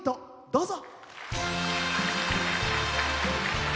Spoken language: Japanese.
どうぞ。